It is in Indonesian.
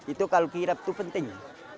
itu kalau kirap itu penting